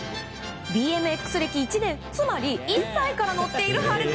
ＢＭＸ歴１年つまり１歳から乗っています。